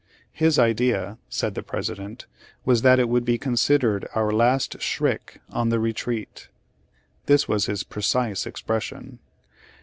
His idea," said the President, "was that it would be considered our last shriek, on the retreat." (This was his precise expression.)